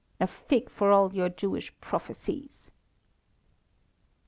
A fig for all your Jewish prophesies!"